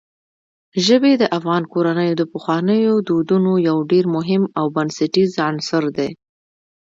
ژبې د افغان کورنیو د پخوانیو دودونو یو ډېر مهم او بنسټیز عنصر دی.